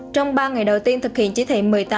trong ba ngày đầu tiên thực hiện chỉ thị một mươi tám